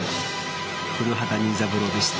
古畑任三郎でした。